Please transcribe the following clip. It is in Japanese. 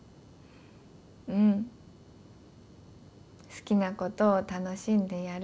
好きなことを楽しんでやる。